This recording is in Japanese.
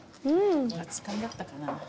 熱かんだったかな。